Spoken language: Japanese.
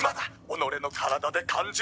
己の体で感じろ。